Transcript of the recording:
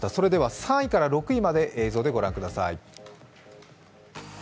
３位から６位まで映像で御覧ください。